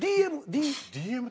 ＤＭ。